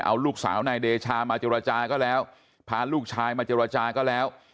เอาลูกสาวนายเดชามาเจรจาก็แล้วพาลูกชายมาเจรจาก็แล้ว